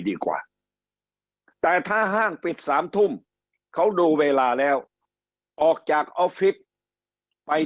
ดีกว่าแต่ถ้าห้างปิด๓ทุ่มเขาดูเวลาแล้วออกจากออฟฟิศไป